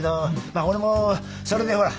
まあ俺もそれでほら。